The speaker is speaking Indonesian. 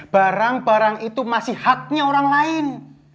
barang barang itu masih haknya orang lain